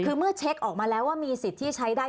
คือเมื่อเช็คออกมาแล้วว่ามีสิทธิ์ที่ใช้ได้